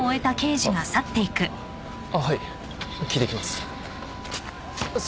あっはい聞いてきます。